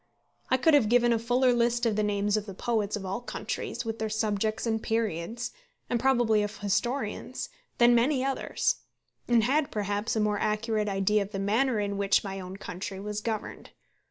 I could have given a fuller list of the names of the poets of all countries, with their subjects and periods, and probably of historians, than many others; and had, perhaps, a more accurate idea of the manner in which my own country was governed.